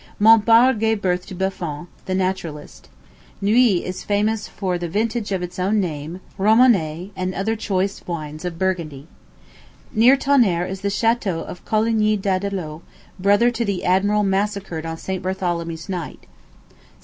Montbard gave birth to Buffon, the naturalist. Nuits is famous for the vintage of its own name, Romanée, and other choice wines of Burgundy. Near Tonnerre is the château of Coligny d'Audelot, brother to the admiral massacred on St. Bartholomew's night.